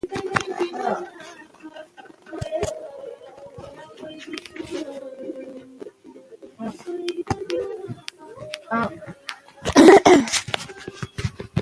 تاریخ د خپل ولس د کردار ښکارندوی دی.